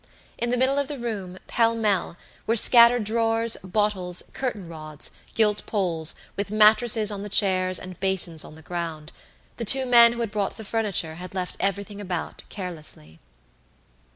In the middle of the room, pell mell, were scattered drawers, bottles, curtain rods, gilt poles, with mattresses on the chairs and basins on the ground the two men who had brought the furniture had left everything about carelessly.